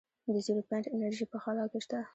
د زیرو پاینټ انرژي په خلا کې شته.